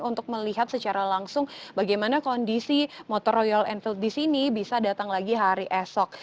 untuk melihat secara langsung bagaimana kondisi motor royal enfield di sini bisa datang lagi hari esok